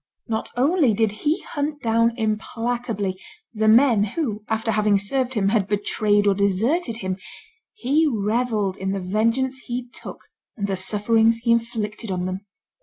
Not only did he hunt down implacably the men who, after having served him, had betrayed or deserted him; he revelled in the vengeance he took and the sufferings he inflicted on them.